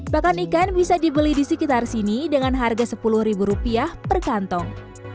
bahkan ikan bisa dibeli di sekitar sini dengan harga sepuluh ribu rupiah per kantong